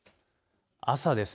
朝です。